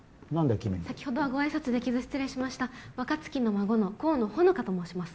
君先ほどはご挨拶できず失礼しました若月の孫の河野穂乃果と申します